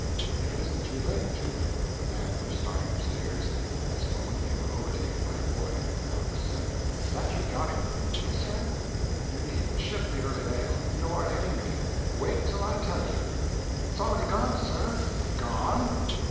"If it isn't too late to " The men were starting up stairs; at this moment they were overtaken by a boy, and Cox asked, "Is that you, Johnny?" "Yes, sir." "You needn't ship the early mail nor ANY mail; wait till I tell you." "It's already gone, sir." "GONE?"